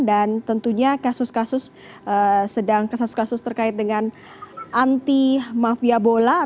dan tentunya kasus kasus sedang kesas kasus tersebut mbak